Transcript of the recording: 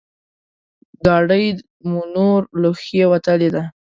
ګاډی مو نور له ښې وتلی دی.